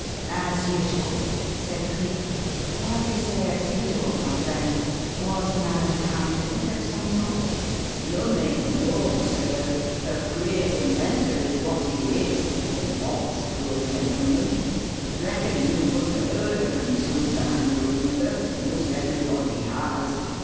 "As usual?" said Cleek. "Why do you say 'as usual,' my friend? Was the man an accountant of some sort?" "Lummy! no, sir. A great inventor is what he is or was, poor gentleman. Reckon you must 'a' heard of un some time or another most everybody has.